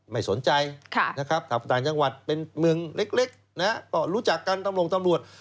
ไม่สนใจทางต่างจังหวัดเป็นเมืองเล็กรู้จักกันตรงตำรวจ